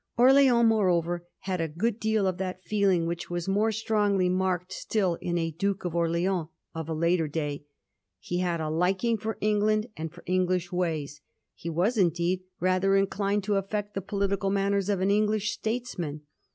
Orleans, moreover, had a good deal of that feeling which was more strongly marked still in a Duke of Orleans of a later day. He had a liking for England and for English ways ; he was, indeed, rather inclined to affect the political manners of an English statesman.